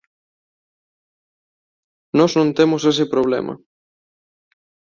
Nós non temos ese problema.